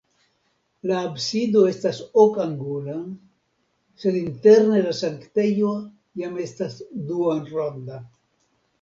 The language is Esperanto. La absido estas ok-angula, sed interne la sanktejo jam estas duonronda.